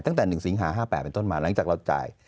ตั้งแต่๑สิงหา๕๘เป็นต้นมาหลังจากเราจ่าย